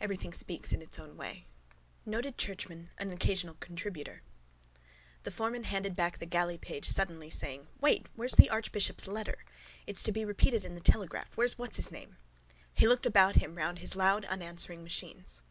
Everything speaks in its own way. Sllt. NOTED CHURCHMAN AN OCCASIONAL CONTRIBUTOR The foreman handed back the galleypage suddenly, saying: —Wait. Where's the archbishop's letter? It's to be repeated in the Telegraph. Where's what's his name? He looked about him round his loud unanswering machines.